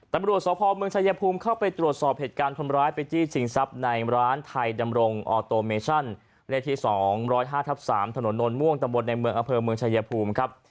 ตำรวจสพเมืองชายภูมิเข้าไปตรวจสอบเหตุการณ์คนร้ายไปจี้ชิงทรัพย์ในร้านไทยดำรงออโตเมชั่นเลขที่๒๐๕ทับ๓ถนนโน้นม่วงตำบลในเมืองอำเภอเมืองชายภูมิครับ